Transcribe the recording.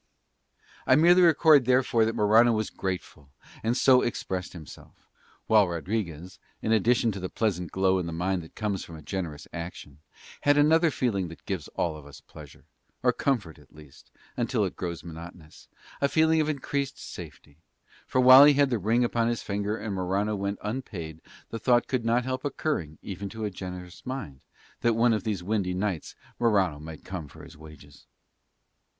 I merely record therefore that Morano was grateful and so expressed himself; while Rodriguez, in addition to the pleasant glow in the mind that comes from a generous action, had another feeling that gives all of us pleasure, or comfort at least (until it grows monotonous), a feeling of increased safety; for while he had the ring upon his finger and Morano went unpaid the thought could not help occurring, even to a generous mind, that one of these windy nights Morano might come for his wages.